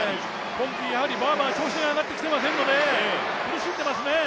今季やはりバーバー、調子が上がっていませんので、苦しんでいますね。